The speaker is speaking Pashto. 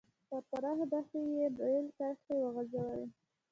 په پراخو دښتو کې یې رېل کرښې وغځولې.